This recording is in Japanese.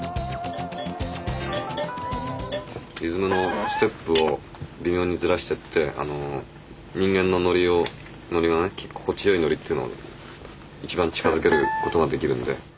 リズムのステップを微妙にずらしてって人間のノリのね心地よいノリっていうのに一番近づけることができるんで。